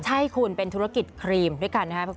ใช่คุณเป็นธุรกิจครีมด้วยกันนะครับ